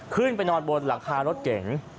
ขึ้นไปนอนบนหลังคารถเก๋ง